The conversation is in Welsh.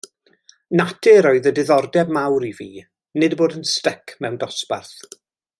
Natur oedd y diddordeb mawr i fi, nid bod yn sdyc mewn dosbarth.